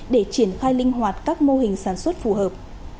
để triển khai linh hoạt các mô hình sản xuất phù hợp